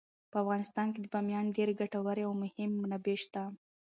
په افغانستان کې د بامیان ډیرې ګټورې او مهمې منابع شته.